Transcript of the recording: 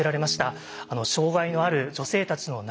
障害のある女性たちの悩み